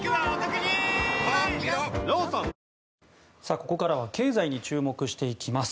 ここからは経済に注目していきます。